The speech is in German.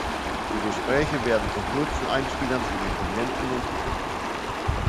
Die Gespräche werden von kurzen Einspielern zu den Prominenten unterbrochen.